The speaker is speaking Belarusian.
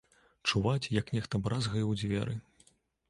Чуваць, як нехта бразгае ў дзверы.